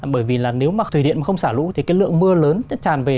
bởi vì là nếu mà thủy điện không xả lũ thì cái lượng mưa lớn tràn về